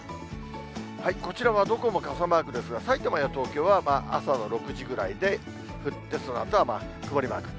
こちらはどこも傘マークですが、さいたまや東京は、朝の６時ぐらいで降って、そのあとは曇りマーク。